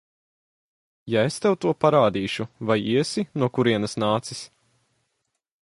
Ja es tev to parādīšu, vai iesi, no kurienes nācis?